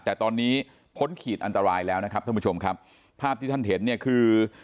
แต่ตอนนี้พ้นขีดอันตรายแล้วนะครับท่านผู้ชมครับภาพที่ท่านเห็นเนี่ยคือ